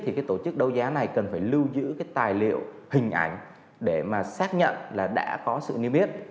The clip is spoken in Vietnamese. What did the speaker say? thì tổ chức đấu giá này cần phải lưu giữ tài liệu hình ảnh để xác nhận là đã có sự niêm biết